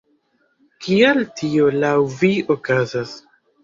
Kial tio laŭ vi okazas?